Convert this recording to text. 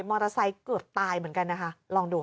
มอเตอร์ไซค์เกือบตายเหมือนกันนะคะลองดูค่ะ